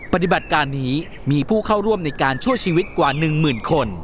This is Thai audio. ปฏิบัติการนี้มีผู้เข้าร่วมในการช่วยชีวิตกว่า๑หมื่นคน